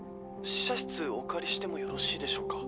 しゃしつおかりしてもよろしいでしょうか？」。